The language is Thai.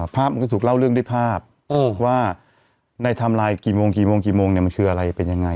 ภาพมันก็ถูกเล่าเรื่องด้วยภาพว่าในทำลายกี่โมงเนี่ยมันคืออะไรเป็นยังไง